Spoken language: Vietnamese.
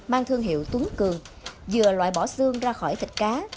mang thương hiệu tuấn cường vừa loại bỏ xương ra khỏi thịt cá